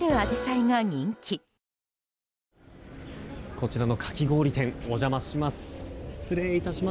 こちらのかき氷店お邪魔します。